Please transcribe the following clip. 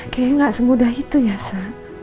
kayaknya gak semudah itu ya sa